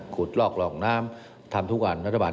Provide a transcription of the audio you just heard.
ขุดลอกหลอกน้ำ